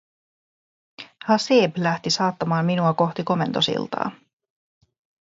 Haseeb lähti saattamaan minua kohti komentosiltaa.